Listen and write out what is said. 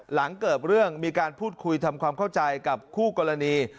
หลังเกิดเรื่องมีการพูดคุยทำความเข้าใจกับคู่กรณี